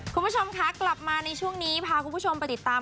คุณผู้ชมคะกลับมาในช่วงนี้พาคุณผู้ชมไปติดตาม